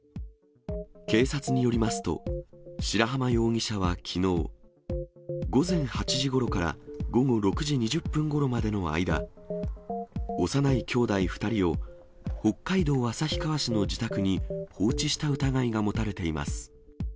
警察によりますと、白濱容疑者はきのう、午前８時ごろから午後６時２０分ごろまでの間、幼いきょうだい２人を北海道旭川市の自宅に放置した疑いが持たれています。